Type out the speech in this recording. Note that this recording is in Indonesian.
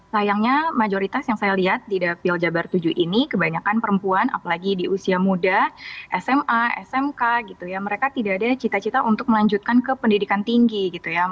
sayangnya mayoritas yang saya lihat di dapil jabar tujuh ini kebanyakan perempuan apalagi di usia muda sma smk gitu ya mereka tidak ada cita cita untuk melanjutkan ke pendidikan tinggi gitu ya